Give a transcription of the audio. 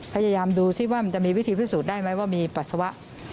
พยายามดูสิว่ามันจะมีวิธีพิสูจน์ได้ไหมว่ามีปัสสาวะ